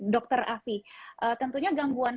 dr afi tentunya gangguan